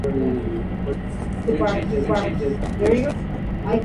Contiene doce especies